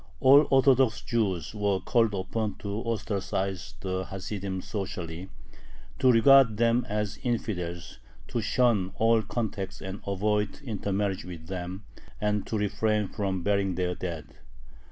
All orthodox Jews were called upon to ostracize the Hasidim socially, to regard them as infidels, to shun all contact and avoid intermarriage with them, and to refrain from burying their dead.